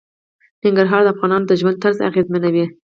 ننګرهار د افغانانو د ژوند طرز اغېزمنوي.